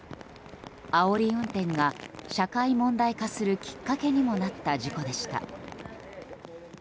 あおり運転が社会問題化するきっかけにもなった事故でした。